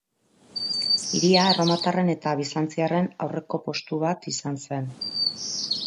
Hiria erromatarren eta bizantziarren aurreko-postu bat izan zen.